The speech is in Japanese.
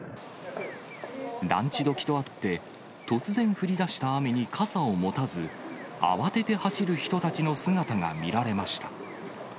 ランチどきとあって、突然降りだした雨に傘を持たず、慌てて走る人たちの姿が見られました。